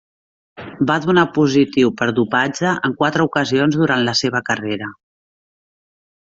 Va donar positiu per dopatge en quatre ocasions durant la seva carrera.